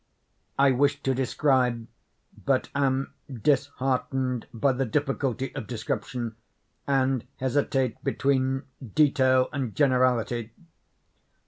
I wish to describe, but am disheartened by the difficulty of description, and hesitate between detail and generality.